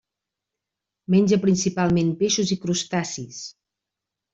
Menja principalment peixos i crustacis.